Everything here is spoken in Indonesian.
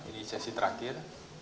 ini sesi terakhir